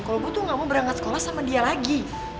kalo gue tuh gak mau berangkat sekolah sama dia lagi